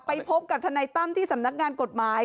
พบกับทนายตั้มที่สำนักงานกฎหมาย